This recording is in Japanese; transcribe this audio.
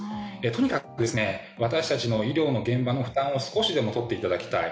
とにかく私たちの医療の現場の負担を少しでも取っていただきたい。